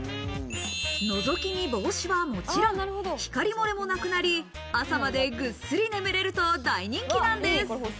覗き見防止はもちろん、光漏れもなくなり、朝までぐっすり眠ることができると大人気なんです。